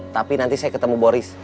tapi nanti saya ketemu boris